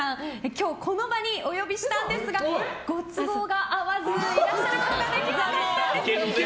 今日、この場にお呼びしたんですがご都合が合わずいらっしゃることができなかったんです。